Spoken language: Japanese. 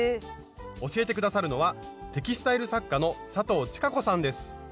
教えて下さるのはテキスタイル作家の佐藤千香子さんです。